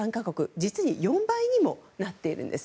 実に４倍にもなっているんです。